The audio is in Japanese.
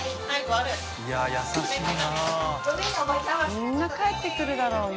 みんな帰ってくるだろうな。